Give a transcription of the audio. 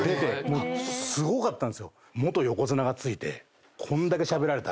もうすごかったんですよ。